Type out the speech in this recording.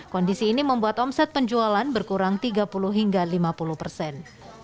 kondisi ini membuat omset penjualan berkurang tiga puluh hingga lima puluh persen